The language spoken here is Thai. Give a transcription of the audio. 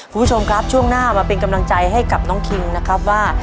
คุณผู้ชมครับช่วงหน้ามาเป็นกำลังใจให้กับน้องคิงนะครับว่า